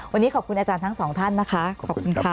วันนี้ขอบคุณอาจารย์ทั้งสองท่านนะคะขอบคุณค่ะ